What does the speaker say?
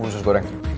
nunggu sus goreng